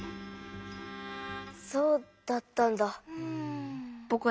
そうだったんだ。